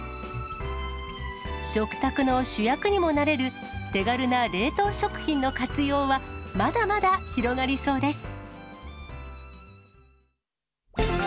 食卓の主役にもなれる、手軽な冷凍食品の活用は、まだまだ広がりそうです。